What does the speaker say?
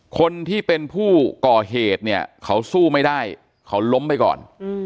คนที่เป็นผู้ก่อเหตุเนี่ยเขาสู้ไม่ได้เขาล้มไปก่อน